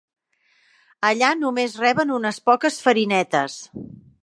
Allà, només reben unes poques farinetes.